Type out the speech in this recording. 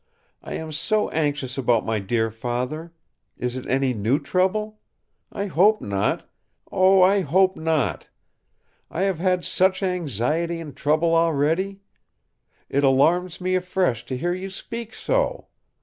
I am so anxious about my dear Father! Is it any new trouble? I hope not! oh, I hope not! I have had such anxiety and trouble already! It alarms me afresh to hear you speak so!